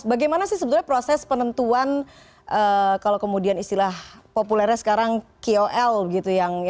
bagaimana sih sebetulnya proses penentuan kalau kemudian istilah populernya sekarang kol gitu yang